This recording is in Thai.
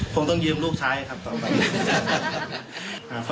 ค่ะคงต้องยืมลูกชายให้ครับต่อไป